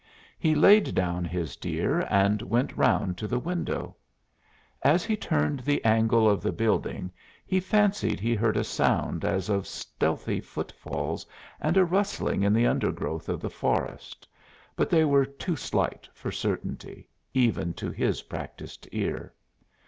He laid down his deer and went round to the window. As he turned the angle of the building he fancied he heard a sound as of stealthy footfalls and a rustling in the undergrowth of the forest, but they were too slight for certainty, even to his practised ear.